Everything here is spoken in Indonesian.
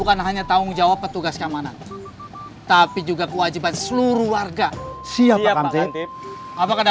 kan katam pernah stres deh